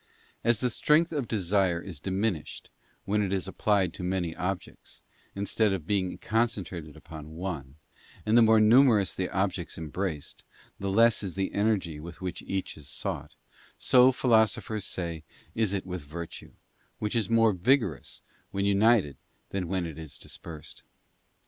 As the strength of desire is diminished when it is applied to many objects, instead of being concentrated upon one, and the more numerous the objects embraced, the less is the energy with which each is sought, so, philosophers say, is it with virtue, which is more vigorous when united than when it is dispersed.